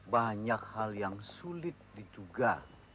banyak hal yang sulit diduga